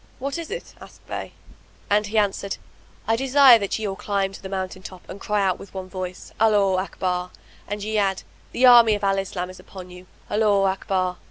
"What is it?" asked they and he answered, "I desire that ye all climb to the mountain top and cry out with one voice, 'Allaho Akbar!' and ye add, 'The army of Al Islam is upon you! Allaho Akbar!'